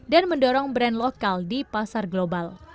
dan mendorong brand lokal di pasar global